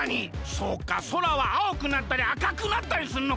そうか空は青くなったりあかくなったりするのか！